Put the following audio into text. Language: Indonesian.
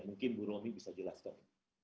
mungkin bu romy bisa jelaskan